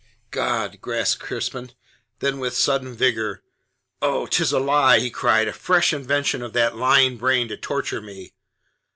"God!" gasped Crispin. Then with sudden vigour, "Oh, 'tis a lie," he cried, "a fresh invention of that lying brain to torture me."